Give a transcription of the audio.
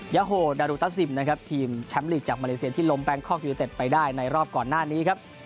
ยาโฮดารุตัสซิมนะครับทีมแชมป์ลีกจากมาเลเซียที่ล้มแบงคอกยูนิเต็ดไปได้ในรอบก่อนหน้านี้ครับ